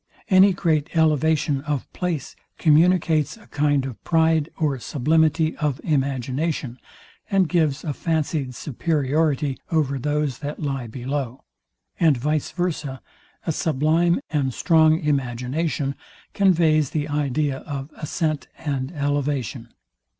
Any great elevation of place communicates a kind of pride or sublimity of imagination, and gives a fancyed superiority over those that lie below; and, vice versa, a sublime and strong imagination conveys the idea of ascent and elevation.